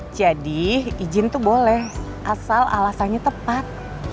jadi izin tuh boleh asal alasannya tepat